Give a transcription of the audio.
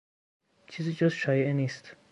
چیزی جز شایعه نیست.